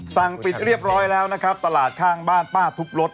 สั่งปิดเรียบร้อยแล้วนะครับตลาดข้างบ้านป้าทุบรถ